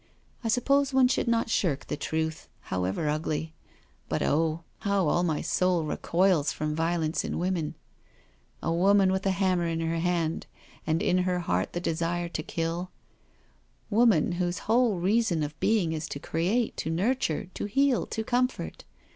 I suppose one should not shirk the truth— however ugly— but oh I how all my soul recoils from violence in women I A woman with a hanuner in her hand and in her heart the desire to kill — Woman whose whole reason of being is to create, to nurture, to heal, to comfort.